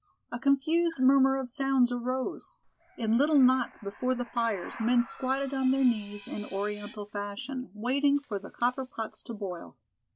A confused murmur of sounds arose. In little knots before the fires men squatted on their knees in Oriental fashion, waiting for the copper pots to boil.